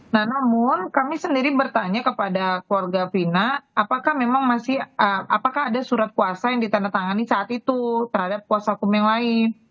nah namun kami sendiri bertanya kepada keluarga fina apakah memang masih apakah ada surat kuasa yang ditandatangani saat itu terhadap kuasa hukum yang lain